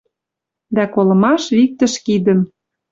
Дӓ колымаш виктӹш кидӹм